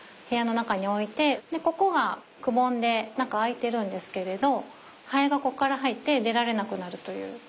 部屋の中に置いてここがくぼんで中開いてるんですけれどハエがここから入って出られなくなるという。